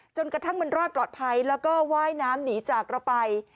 จนกระทั่งมันรอดปลอดภัยแล้วก็ว่ายน้ำหนีจากเราไป